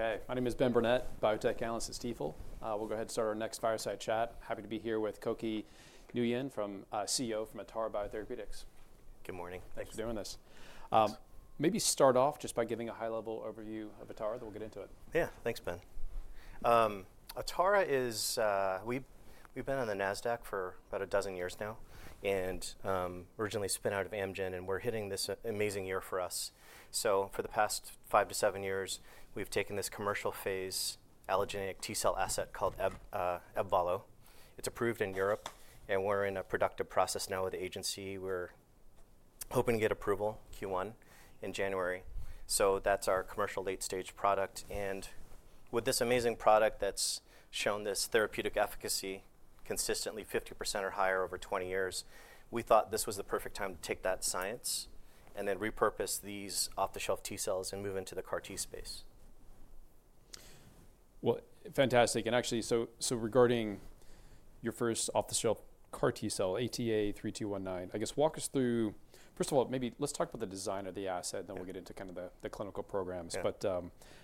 Okay, my name is Ben Burnett, biotech Managing Director & Equity Research Analyst (Biotechnology) at Stifel. We'll go ahead and start our next fireside chat. Happy to be here with Cokey Nguyen, CEO of Atara Biotherapeutics. Good morning. Thanks for doing this. Maybe start off just by giving a high-level overview of Atara then we'll get into it. Yeah, thanks, Ben. Atara is. We've been on the Nasdaq for about a dozen years now and originally spun out of Amgen and we're hitting this amazing year for us. So for the past five to seven years, we've taken this commercial phase allogeneic T-cell asset called Ebvallo. It's approved in Europe and we're in a productive process now with the agency. We're hoping to get approval Q1 in January. So that's our commercial late-stage product. And with this amazing product that's shown this therapeutic efficacy consistently 50% or higher over 20 years, we thought this was the perfect time to take that science and then repurpose these off-the-shelf T-cells and move into the CAR T space. Fantastic, and actually, so regarding your first off-the-shelf CAR T cell, ATA3219, I guess walk us through, first of all, maybe let's talk about the design of the asset and then we'll get into kind of the clinical programs, but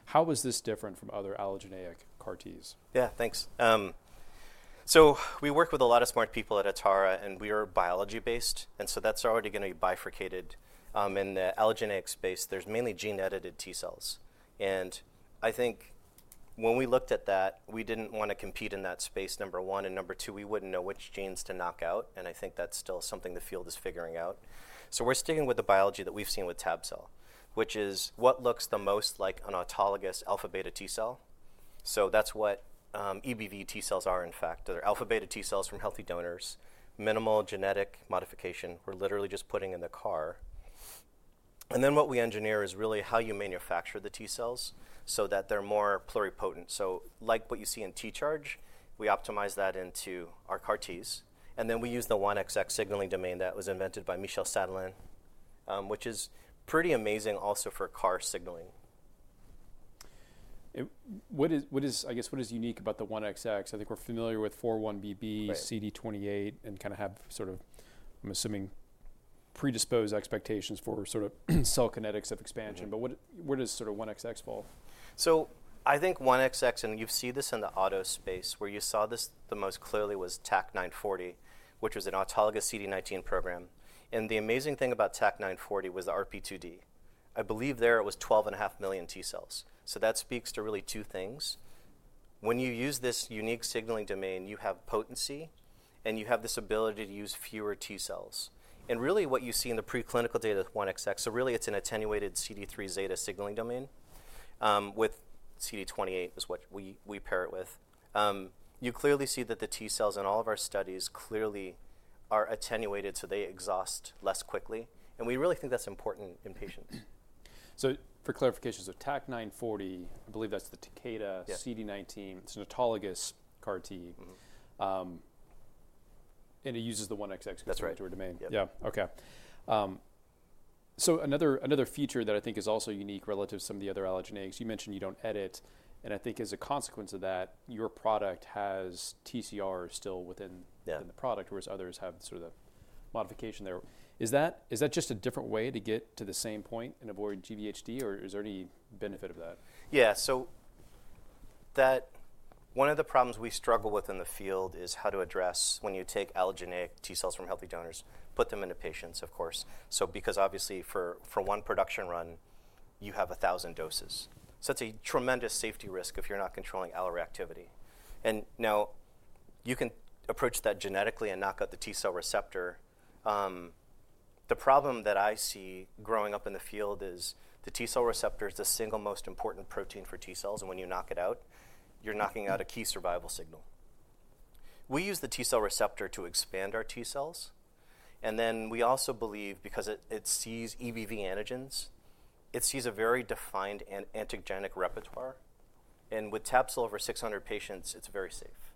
how was this different from other allogeneic CAR Ts? Yeah, thanks. So we work with a lot of smart people at Atara and we are biology-based. And so that's already going to be bifurcated. In the allogeneic space, there's mainly gene-edited T-cells. And I think when we looked at that, we didn't want to compete in that space, number one. And number two, we wouldn't know which genes to knock out. And I think that's still something the field is figuring out. So we're sticking with the biology that we've seen with Tab-cel, which is what looks the most like an autologous alpha beta T-cell. So that's what EBV T-cells are, in fact. They're alpha beta T-cells from healthy donors, minimal genetic modification. We're literally just putting in the CAR. And then what we engineer is really how you manufacture the T-cells so that they're more pluripotent. So like what you see in T-Charge, we optimize that into our CAR Ts. And then we use the 1XX signaling domain that was invented by Michel Sadelain, which is pretty amazing also for CAR signaling. I guess what is unique about the 1XX? I think we're familiar with 4-1BB, CD28, and kind of have sort of, I'm assuming, predisposed expectations for sort of cell kinetics of expansion. But where does sort of 1XX fall? So I think 1XX, and you see this in the auto space where you saw this the most clearly was TAK-940, which was an autologous CD19 program. And the amazing thing about TAC940 was the RP2D. I believe there it was 12.5 million T-cells. So that speaks to really two things. When you use this unique signaling domain, you have potency and you have this ability to use fewer T-cells. And really what you see in the preclinical data with 1XX, so really it's an attenuated CD3ZA signaling domain with CD28 is what we pair it with. You clearly see that the T-cells in all of our studies clearly are attenuated, so they exhaust less quickly. And we really think that's important in patients. So for clarification, so TAK-940, I believe that's the Takeda, CD19, it's an autologous CAR T. And it uses the 1XX. That's right. Domain. Yeah, okay. So another feature that I think is also unique relative to some of the other allogeneics, you mentioned you don't edit. And I think as a consequence of that, your product has TCR still within the product, whereas others have sort of a modification there. Is that just a different way to get to the same point and avoid GVHD, or is there any benefit of that? Yeah, so that one of the problems we struggle with in the field is how to address when you take allogeneic T-cells from healthy donors, put them into patients, of course. So because obviously for one production run, you have a thousand doses. So it's a tremendous safety risk if you're not controlling alloreactivity. And now you can approach that genetically and knock out the T-cell receptor. The problem that I see growing up in the field is the T-cell receptor is the single most important protein for T-cells. And when you knock it out, you're knocking out a key survival signal. We use the T-cell receptor to expand our T-cells. And then we also believe because it sees EBV antigens, it sees a very defined antigenic repertoire. And with Tab-cel over 600 patients, it's very safe.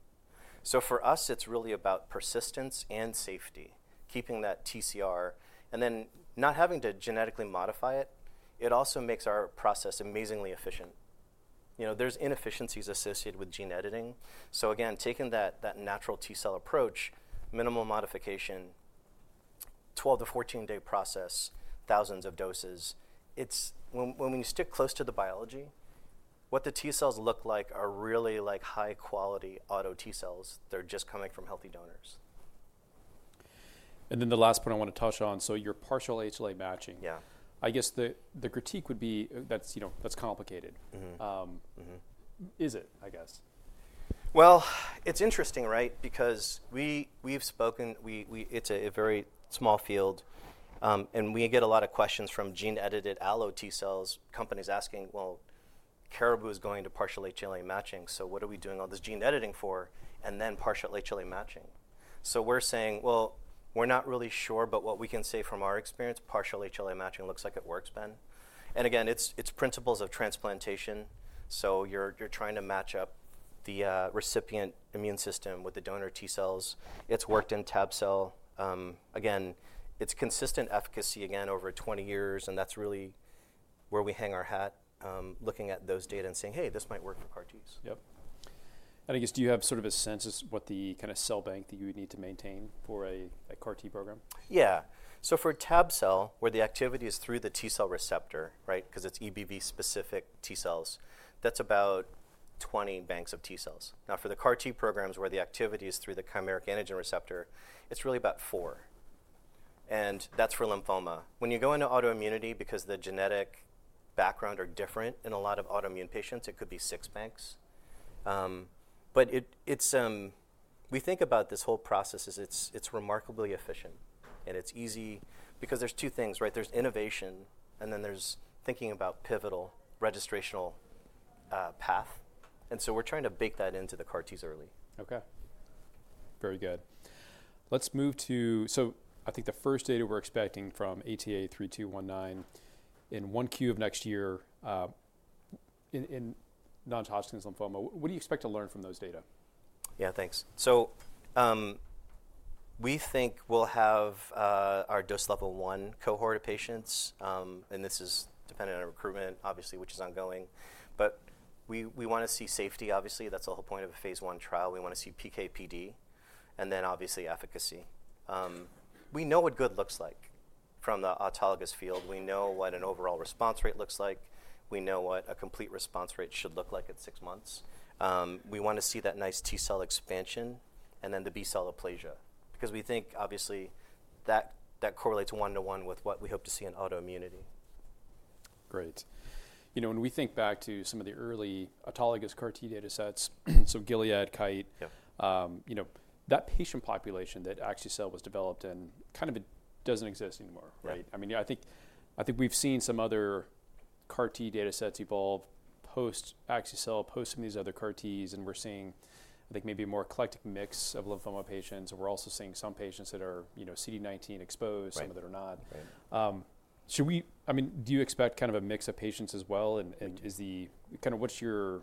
So for us, it's really about persistence and safety, keeping that TCR and then not having to genetically modify it. It also makes our process amazingly efficient. There's inefficiencies associated with gene editing. So again, taking that natural T-cell approach, minimal modification, 12-14-day process, thousands of doses. When we stick close to the biology, what the T-cells look like are really like high quality auto T-cells. They're just coming from healthy donors. And then the last point I want to touch on, so your partial HLA matching. I guess the critique would be that's complicated. Is it, I guess? It's interesting, right? Because we've spoken, it's a very small field and we get a lot of questions from gene-edited allo T-cell companies asking, well, Caribou is going to partial HLA matching. So what are we doing all this gene editing for? And then partial HLA matching. So we're saying, well, we're not really sure, but what we can say from our experience, partial HLA matching looks like it works, Ben. And again, it's principles of transplantation. So you're trying to match up the recipient immune system with the donor T-cells. It's worked in Tab-cel. Again, it's consistent efficacy again over 20 years. And that's really where we hang our hat, looking at those data and saying, hey, this might work for CAR Ts. Yep. And I guess do you have sort of a sense of what the kind of cell bank that you would need to maintain for a CAR T program? Yeah. So for Tab-cel, where the activity is through the T-cell receptor, right? Because it's EBV specific T-cells, that's about 20 banks of T-cells. Now for the CAR T programs where the activity is through the chimeric antigen receptor, it's really about four. And that's for lymphoma. When you go into autoimmunity, because the genetic background is different in a lot of autoimmune patients, it could be six banks. But we think about this whole process as it's remarkably efficient and it's easy because there's two things, right? There's innovation and then there's thinking about pivotal registrational path. And so we're trying to bake that into the CAR Ts early. Okay. Very good. Let's move to, so I think the first data we're expecting from ATA3219 in one Q of next year in Non-Hodgkin's lymphoma. What do you expect to learn from those data? Yeah, thanks. So we think we'll have our dose level one cohort of patients. And this is dependent on recruitment, obviously, which is ongoing. But we want to see safety, obviously. That's the whole point of a phase one trial. We want to see PKPD and then obviously efficacy. We know what good looks like from the autologous field. We know what an overall response rate looks like. We know what a complete response rate should look like at six months. We want to see that nice T-cell expansion and then the B-cell aplasia because we think obviously that correlates one to one with what we hope to see in autoimmunity. Great. You know, when we think back to some of the early autologous CAR T data sets, so Gilead, Kite, that patient population that Axi-cel was developed in kind of doesn't exist anymore, right? I mean, I think we've seen some other CAR T data sets evolve post Axi-cel, post some of these other CAR Ts. And we're seeing, I think maybe a more eclectic mix of lymphoma patients. We're also seeing some patients that are CD19 exposed, some of those are not. I mean, do you expect kind of a mix of patients as well? And kind of what's your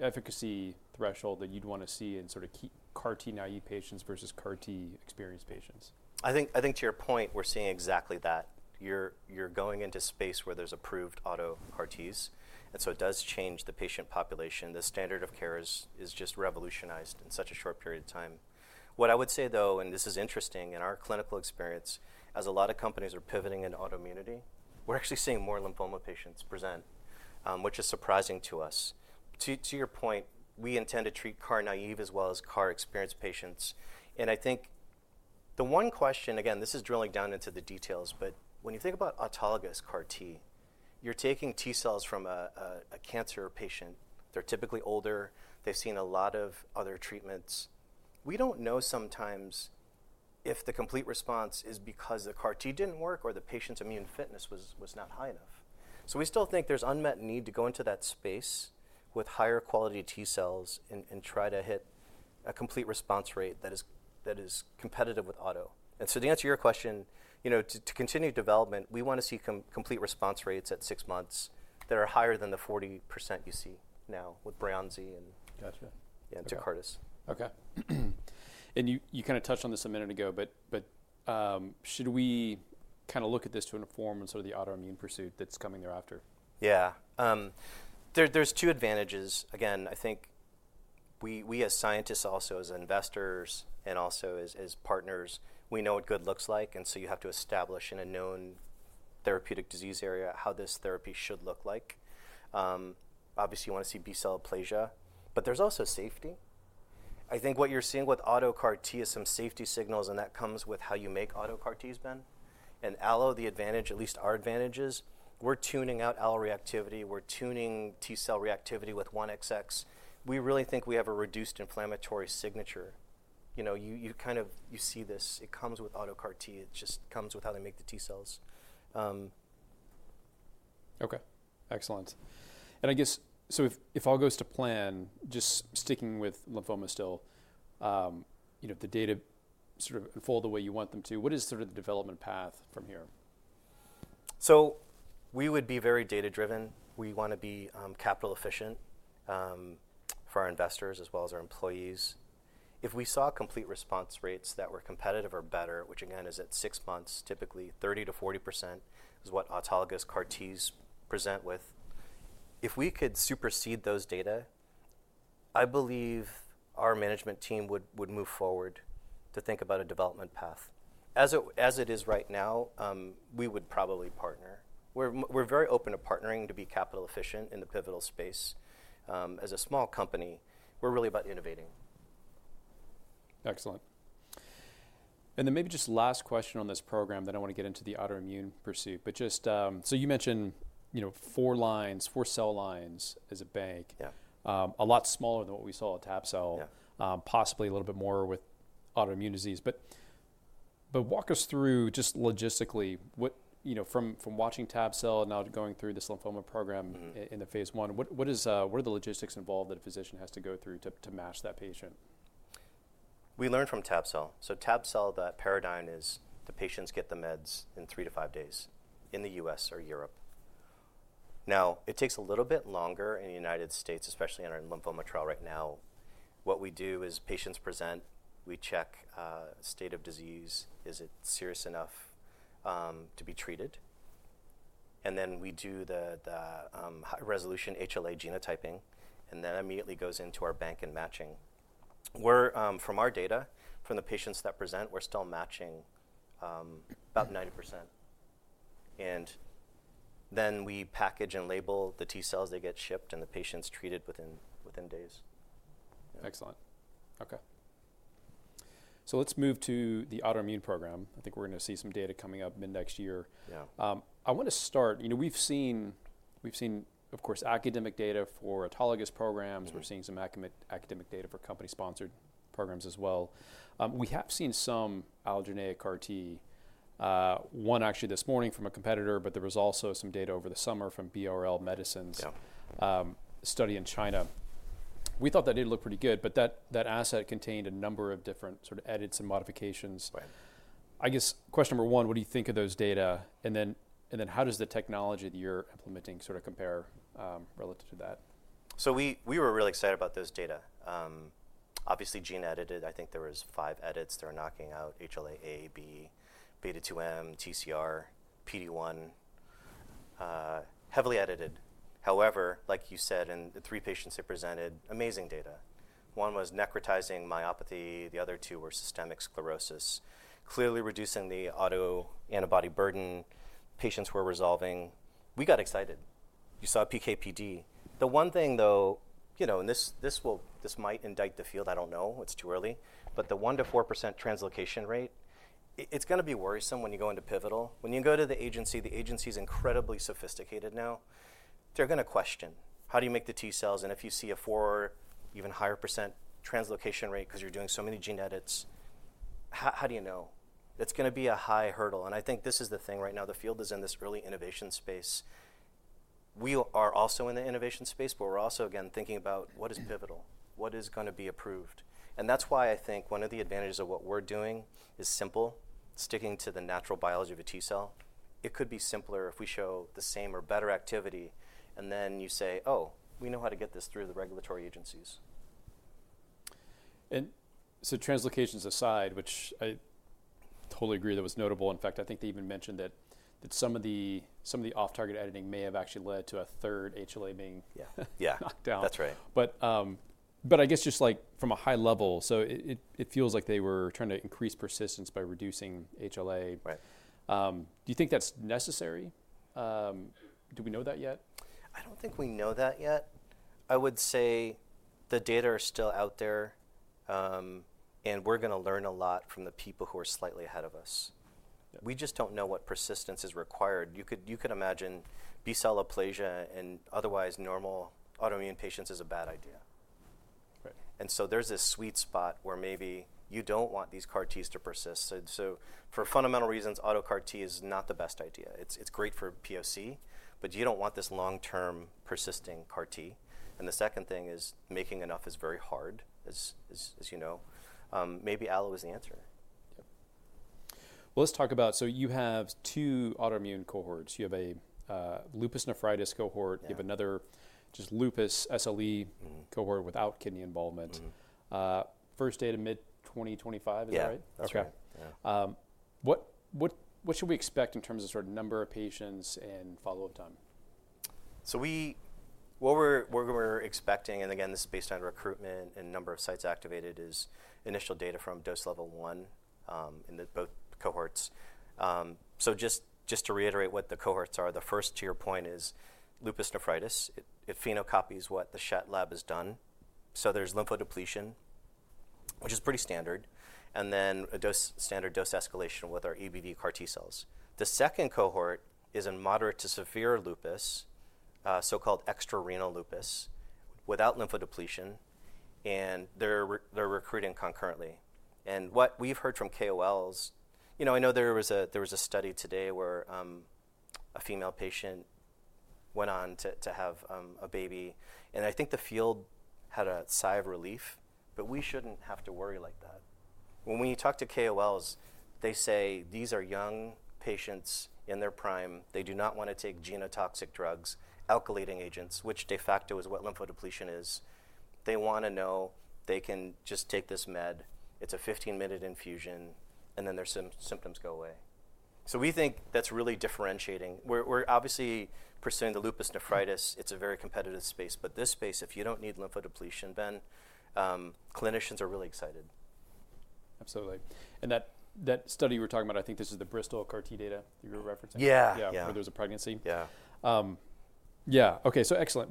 efficacy threshold that you'd want to see in sort of CAR T naive patients versus CAR T experienced patients? I think to your point, we're seeing exactly that. You're going into space where there's approved auto CAR Ts, and so it does change the patient population. The standard of care is just revolutionized in such a short period of time. What I would say though, and this is interesting in our clinical experience, as a lot of companies are pivoting in autoimmunity, we're actually seeing more lymphoma patients present, which is surprising to us. To your point, we intend to treat CAR naive as well as CAR experienced patients. And I think the one question, again, this is drilling down into the details, but when you think about autologous CAR T, you're taking T-cells from a cancer patient. They're typically older. They've seen a lot of other treatments. We don't know sometimes if the complete response is because the CAR T didn't work or the patient's immune fitness was not high enough. So we still think there's unmet need to go into that space with higher quality T-cells and try to hit a complete response rate that is competitive with auto. And so to answer your question, to continue development, we want to see complete response rates at six months that are higher than the 40% you see now with Breyanzi and Tecartus. Okay. And you kind of touched on this a minute ago, but should we kind of look at this to inform sort of the autoimmune pursuit that's coming thereafter? Yeah. There's two advantages. Again, I think we as scientists, also as investors and also as partners, we know what good looks like, and so you have to establish in a known therapeutic disease area how this therapy should look like. Obviously, you want to see B-cell aplasia, but there's also safety. I think what you're seeing with auto CAR T is some safety signals and that comes with how you make auto CAR Ts, Ben, and allo, the advantage, at least our advantages, we're tuning out all reactivity. We're tuning T-cell reactivity with 1XX. We really think we have a reduced inflammatory signature. You kind of see this. It comes with auto CAR T. It just comes with how they make the T-cells. Okay. Excellent. And I guess, so if all goes to plan, just sticking with lymphoma still, the data sort of unfold the way you want them to, what is sort of the development path from here? So we would be very data driven. We want to be capital efficient for our investors as well as our employees. If we saw complete response rates that were competitive or better, which again is at six months, typically 30%-40% is what autologous CAR Ts present with. If we could supersede those data, I believe our management team would move forward to think about a development path. As it is right now, we would probably partner. We're very open to partnering to be capital efficient in the pivotal space. As a small company, we're really about innovating. Excellent. And then maybe just last question on this program that I don't want to get into the autoimmune pursuit, but just, so you mentioned four lines, four cell lines as a bank, a lot smaller than what we saw with Tab-cel, possibly a little bit more with autoimmune disease. But walk us through just logistically from watching Tab-cel and now going through this lymphoma program in the phase 1, what are the logistics involved that a physician has to go through to match that patient? We learned from Tab-cel so Tab-cel, the paradigm is the patients get the meds in three to five days in the U.S. or Europe. Now it takes a little bit longer in the United States, especially in our lymphoma trial right now. What we do is patients present, we check state of disease, is it serious enough to be treated? and then we do the high resolution HLA genotyping and then immediately goes into our bank and matching. From our data, from the patients that present, we're still matching about 90% and then we package and label the T-cells, they get shipped and the patient's treated within days. Excellent. Okay, so let's move to the autoimmune program. I think we're going to see some data coming up mid next year. I want to start. We've seen, of course, academic data for autologous programs. We're seeing some academic data for company sponsored programs as well. We have seen some allogeneic CAR T, one actually this morning from a competitor, but there was also some data over the summer from BRL Medicine's study in China. We thought that did look pretty good, but that asset contained a number of different sort of edits and modifications. I guess question number one, what do you think of those data? And then how does the technology that you're implementing sort of compare relative to that? So we were really excited about those data. Obviously gene-edited, I think there were five edits that are knocking out HLA A, B, beta 2M, TCR, PD1, heavily edited. However, like you said, in the three patients that presented, amazing data. One was necrotizing myopathy. The other two were systemic sclerosis, clearly reducing the auto antibody burden. Patients were resolving. We got excited. You saw PKPD. The one thing though, and this might indict the field, I don't know, it's too early, but the 1%-4% translocation rate, it's going to be worrisome when you go into pivotal. When you go to the agency, the agency is incredibly sophisticated now. They're going to question, how do you make the T-cells? And if you see a 4%, even higher percent translocation rate because you're doing so many gene edits, how do you know? It's going to be a high hurdle, and I think this is the thing right now, the field is in this early innovation space. We are also in the innovation space, but we're also again thinking about what is pivotal, what is going to be approved, and that's why I think one of the advantages of what we're doing is simple, sticking to the natural biology of a T-cell. It could be simpler if we show the same or better activity, and then you say, oh, we know how to get this through the regulatory agencies. Translocations aside, which I totally agree that was notable. In fact, I think they even mentioned that some of the off-target editing may have actually led to a third HLA being knocked down. Yeah, that's right. But I guess just like from a high level, so it feels like they were trying to increase persistence by reducing HLA. Do you think that's necessary? Do we know that yet? I don't think we know that yet. I would say the data are still out there and we're going to learn a lot from the people who are slightly ahead of us. We just don't know what persistence is required. You could imagine B-cell aplasia and otherwise normal autoimmune patients is a bad idea, and so there's this sweet spot where maybe you don't want these CAR Ts to persist, so for fundamental reasons, auto CAR T is not the best idea. It's great for POC, but you don't want this long-term persisting CAR T, and the second thing is making enough is very hard, as you know. Maybe allo is the answer. Let's talk about, so you have two autoimmune cohorts. You have a lupus nephritis cohort. You have another just lupus SLE cohort without kidney involvement. First data of mid 2025, is that right? Yeah. Okay. What should we expect in terms of sort of number of patients and follow-up time? So what we're expecting, and again, this is based on recruitment and number of sites activated, is initial data from dose level one in both cohorts. So just to reiterate what the cohorts are, the first to your point is lupus nephritis. It phenocopies what the Schett lab has done. So there's lymphodepletion, which is pretty standard, and then a standard dose escalation with our EBV CAR T cells. The second cohort is in moderate to severe lupus, so-called extrarenal lupus without lymphodepletion. And they're recruiting concurrently. And what we've heard from KOLs, you know I know there was a study today where a female patient went on to have a baby. And I think the field had a sigh of relief, but we shouldn't have to worry like that. When we talk to KOLs, they say these are young patients in their prime. They do not want to take genotoxic drugs, alkylating agents, which de facto is what lymphodepletion is. They want to know they can just take this med. It's a 15-minute infusion and then their symptoms go away. So we think that's really differentiating. We're obviously pursuing the lupus nephritis. It's a very competitive space, but this space, if you don't need lymphodepletion, Ben, clinicians are really excited. Absolutely, and that study you were talking about, I think this is the Bristol CAR T data that you were referencing? Yeah. Yeah, where there was a pregnancy. Yeah. Yeah. Okay. So excellent.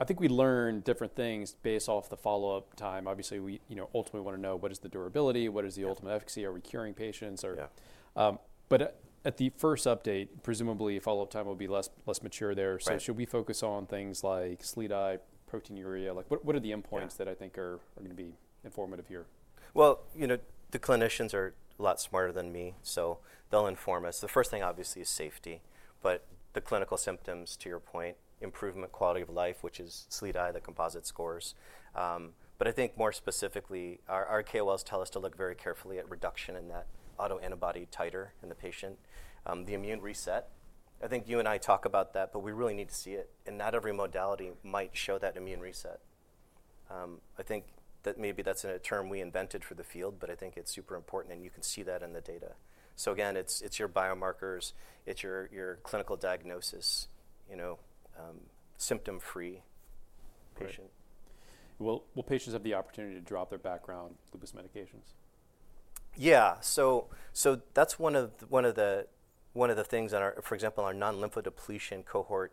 I think we learned different things based off the follow-up time. Obviously, we ultimately want to know what is the durability, what is the ultimate efficacy, are we curing patients? But at the first update, presumably follow-up time will be less mature there. So should we focus on things like SLEDI, proteinuria? What are the endpoints that I think are going to be informative here? Well, you know the clinicians are a lot smarter than me, so they'll inform us. The first thing obviously is safety, but the clinical symptoms to your point, improvement quality of life, which is SLEDI, the composite scores. But I think more specifically, our KOLs tell us to look very carefully at reduction in that autoantibody titer in the patient. The immune reset, I think you and I talk about that, but we really need to see it. And not every modality might show that immune reset. I think that maybe that's a term we invented for the field, but I think it's super important and you can see that in the data. So again, it's your biomarkers, it's your clinical diagnosis, symptom-free patient. Will patients have the opportunity to drop their background lupus medications? Yeah, so that's one of the things on our, for example, our non-lymphodepletion cohort.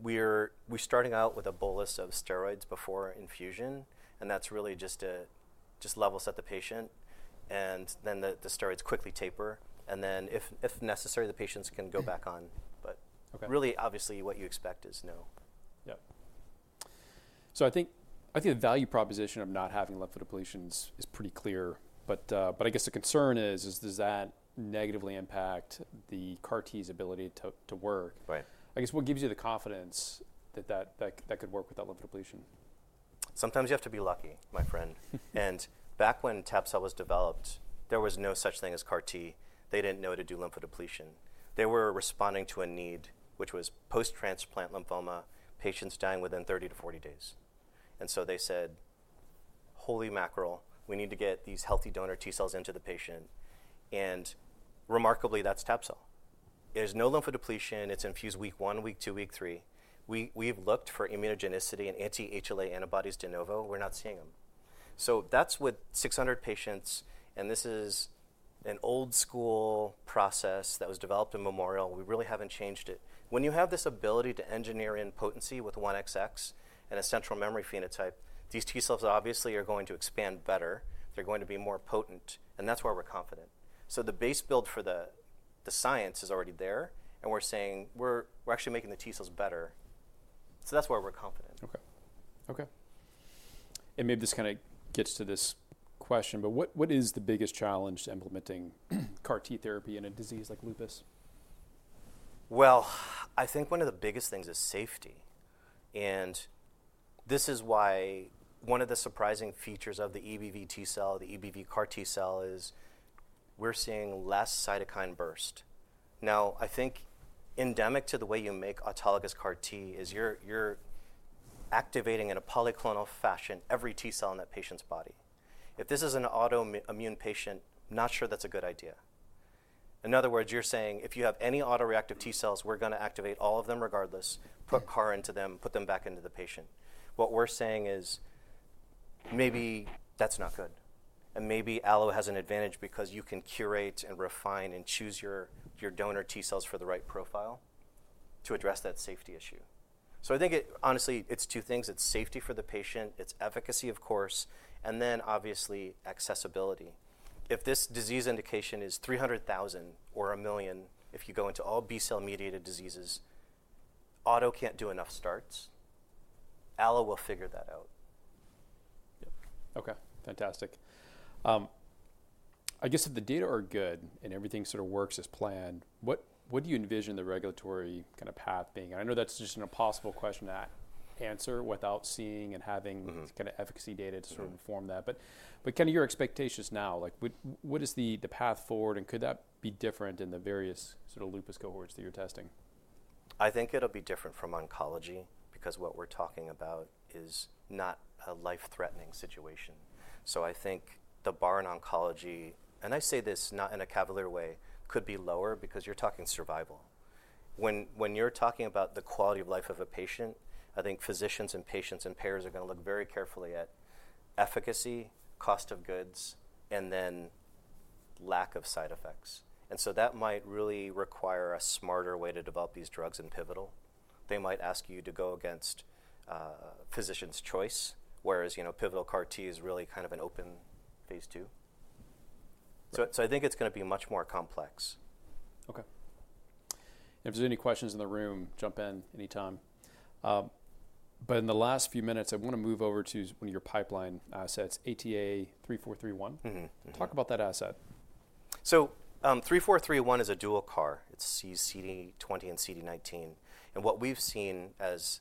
We're starting out with a bolus of steroids before infusion, and that's really just to level set the patient. The steroids quickly taper, and then if necessary, the patients can go back on, but really, obviously what you expect is no. Yeah. So I think the value proposition of not having lymphodepletions is pretty clear, but I guess the concern is, does that negatively impact the CAR T's ability to work? I guess what gives you the confidence that that could work with that lymphodepletion? Sometimes you have to be lucky, my friend. And back when Tab-cel was developed, there was no such thing as CAR T. They didn't know to do lymphodepletion. They were responding to a need, which was post-transplant lymphoma, patients dying within 30 to 40 days. And so they said, holy mackerel, we need to get these healthy donor T-cells into the patient. And remarkably, that's Tab-cel. There's no lymphodepletion. It's infused week one, week two, week three. We've looked for immunogenicity and anti-HLA antibodies de novo. We're not seeing them. So that's with 600 patients. And this is an old school process that was developed in Memorial. We really haven't changed it. When you have this ability to engineer in potency with 1XX and a central memory phenotype, these T-cells obviously are going to expand better. They're going to be more potent. And that's why we're confident. So the base build for the science is already there. And we're saying we're actually making the T-cells better. So that's why we're confident. Okay, okay, and maybe this kind of gets to this question, but what is the biggest challenge to implementing CAR T therapy in a disease like lupus? I think one of the biggest things is safety. This is why one of the surprising features of the EBV T cell, the EBV CAR T cell is we're seeing less cytokine burst. Now, I think endemic to the way you make autologous CAR T is you're activating in a polyclonal fashion every T-cell in that patient's body. If this is an autoimmune patient, not sure that's a good idea. In other words, you're saying if you have any autoreactive T-cells, we're going to activate all of them regardless, put CAR into them, put them back into the patient. What we're saying is maybe that's not good. Maybe allo has an advantage because you can curate and refine and choose your donor T-cells for the right profile to address that safety issue. I think honestly it's two things. It's safety for the patient. It's efficacy, of course, and then obviously accessibility. If this disease indication is 300,000 or a million, if you go into all B-cell mediated diseases, auto can't do enough starts. Allo will figure that out. Okay. Fantastic. I guess if the data are good and everything sort of works as planned, what do you envision the regulatory kind of path being? I know that's just an impossible question to answer without seeing and having kind of efficacy data to sort of inform that. But kind of your expectations now, what is the path forward and could that be different in the various sort of lupus cohorts that you're testing? I think it'll be different from oncology because what we're talking about is not a life-threatening situation. So I think the bar in oncology, and I say this not in a cavalier way, could be lower because you're talking survival. When you're talking about the quality of life of a patient, I think physicians and patients and payers are going to look very carefully at efficacy, cost of goods, and then lack of side effects. And so that might really require a smarter way to develop these drugs in pivotal. They might ask you to go against physician's choice, whereas pivotal CAR T is really kind of an open phase 2. So I think it's going to be much more complex. Okay. If there's any questions in the room, jump in any time. But in the last few minutes, I want to move over to one of your pipeline assets, ATA3431. Talk about that asset. So 3431 is a dual CAR. It sees CD20 and CD19. What we've seen as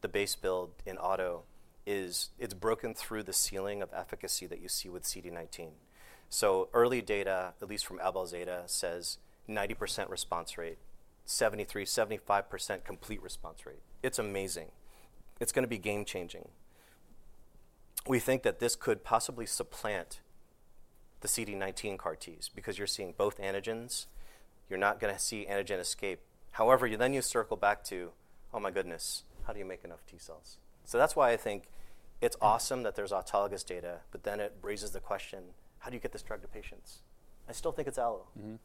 the base build in auto is it's broken through the ceiling of efficacy that you see with CD19. Early data, at least from AbelZeta, says 90% response rate, 73%-75% complete response rate. It's amazing. It's going to be game changing. We think that this could possibly supplant the CD19 CAR Ts because you're seeing both antigens. You're not going to see antigen escape. However, then you circle back to, oh my goodness, how do you make enough T-cells? That's why I think it's awesome that there's autologous data, but then it raises the question, how do you get this drug to patients? I still think it's allogeneic.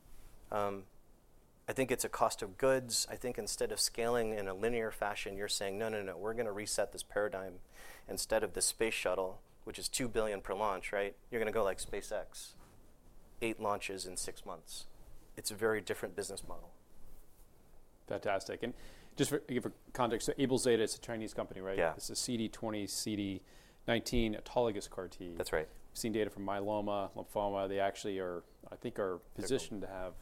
I think it's a cost of goods. I think instead of scaling in a linear fashion, you're saying, no, no, no, we're going to reset this paradigm. Instead of the space shuttle, which is $2 billion per launch, right? You're going to go like SpaceX, eight launches in six months. It's a very different business model. Fantastic. And just for context, AbelZeta is a Chinese company, right? Yeah. This is CD20, CD19, autologous CAR T. That's right. We've seen data from myeloma, lymphoma. They actually are, I think, are positioned to have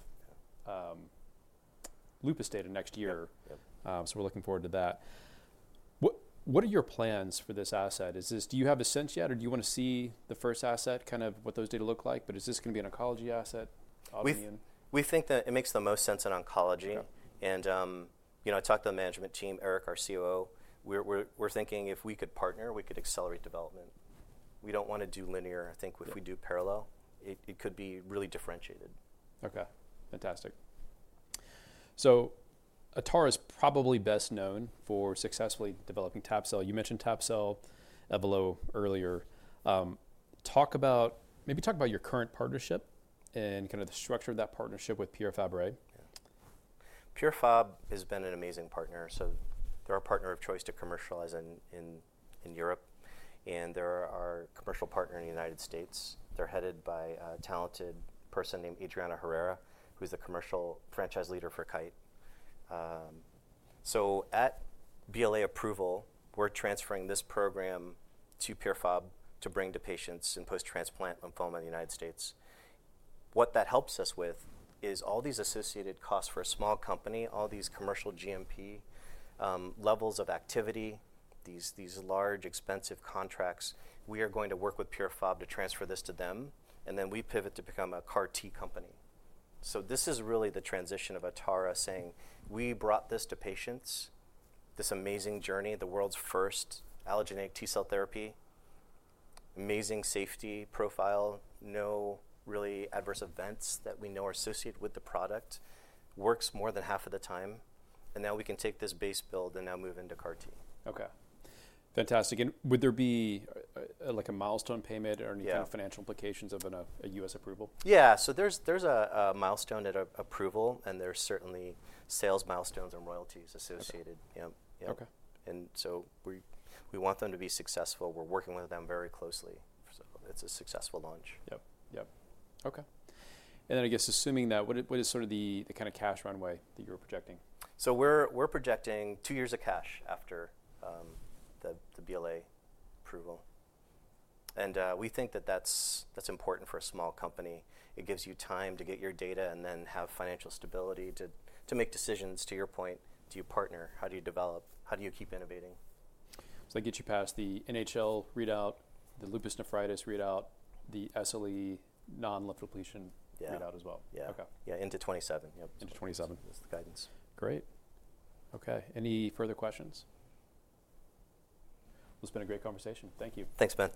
lupus data next year. So we're looking forward to that. What are your plans for this asset? Do you have a sense yet or do you want to see the first asset, kind of what those data look like? But is this going to be an oncology asset? We think that it makes the most sense in oncology. And I talked to the management team, Eric, our COO. We're thinking if we could partner, we could accelerate development. We don't want to do linear. I think if we do parallel, it could be really differentiated. Okay. Fantastic. So Atara is probably best known for successfully developing Tab-cel. You mentioned Tab-cel earlier. Maybe talk about your current partnership and kind of the structure of that partnership with Pierre Fabre. Fabre has been an amazing partner, so they're our partner of choice to commercialize in Europe, and they're our commercial partner in the United States. They're headed by a talented person named Adriana Herrera, who's the commercial franchise leader for Kite. So at BLA approval, we're transferring this program to Pierre Fabre to bring to patients in post-transplant lymphoma in the United States. What that helps us with is all these associated costs for a small company, all these commercial GMP levels of activity, these large expensive contracts. We are going to work with Pierre Fabre to transfer this to them, and then we pivot to become a CAR T company. So this is really the transition of Atara saying, we brought this to patients, this amazing journey, the world's first allogeneic T-cell therapy, amazing safety profile, no really adverse events that we know are associated with the product, works more than half of the time. And now we can take this base build and now move into CAR T. Okay. Fantastic. And would there be like a milestone payment or any kind of financial implications of a U.S. approval? Yeah. So there's a milestone at approval, and there's certainly sales milestones and royalties associated. Yeah, and so we want them to be successful. We're working with them very closely, so it's a successful launch. Yep. Yep. Okay. And then I guess assuming that, what is sort of the kind of cash runway that you're projecting? So we're projecting two years of cash after the BLA approval. And we think that that's important for a small company. It gives you time to get your data and then have financial stability to make decisions to your point. Do you partner? How do you develop? How do you keep innovating? So that gets you past the NHL readout, the lupus nephritis readout, the SLE non-lymphodepletion readout as well. Yeah. Yeah. Into 2027. Into '27. That's the guidance. Great. Okay. Any further questions? Well, it's been a great conversation. Thank you. Thanks, Ben.